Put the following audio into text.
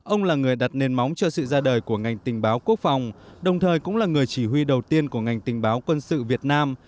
ông là người đặt nền móng cho sự ra đời của ngành tình báo quốc phòng đồng thời cũng là người chỉ huy đầu tiên của ngành tình báo quân sự việt nam